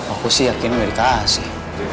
aku sih yakin gak dikasih